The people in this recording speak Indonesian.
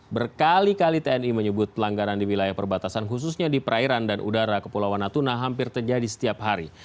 berkali kali tni menyebut pelanggaran di wilayah perbatasan khususnya di perairan dan udara kepulauan natuna hampir terjadi setiap hari